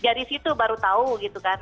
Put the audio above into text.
jadi disitu baru tahu gitu kan